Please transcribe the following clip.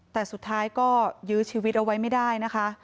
แต่สุดท้ายก็ยื้อชีวิตเอาไว้ไม่ได้นะคะ